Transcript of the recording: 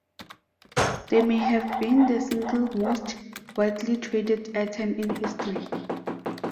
They may have been the single most widely traded item in history.